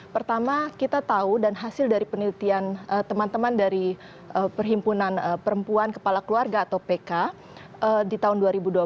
pertama kita tahu dan hasil dari penelitian teman teman dari perhimpunan perempuan kepala keluarga atau pk di tahun dua ribu dua belas